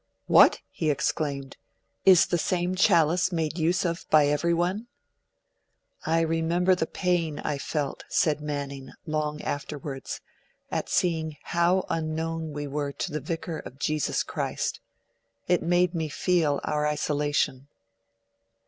'What!' he exclaimed, is the same chalice made use of by everyone?' 'I remember the pain I felt,' said Manning, long afterwards, 'at seeing how unknown we were to the Vicar of Jesus Christ. It made me feel our isolation.'